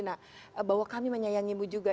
nah bahwa kami menyayangimu juga